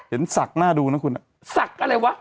ศักดิ์หน้าดูนะคุณศักดิ์อะไรวะ